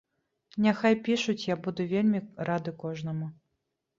Няхай пішуць, я буду вельмі рады кожнаму.